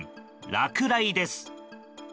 落雷です。